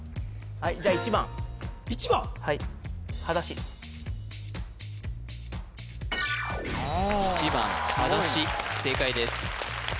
はいじゃあ１番はだし正解です